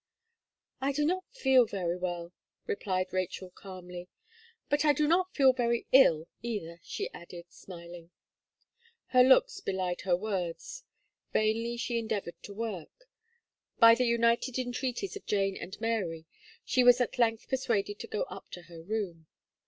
"I do not feel very well," replied Rachel, calmly, "but I do not feel very ill, either," she added, smiling. Her looks belied her words; vainly she endeavoured to work; by the united entreaties of Jane and Mary, she was at length persuaded to go up to her room.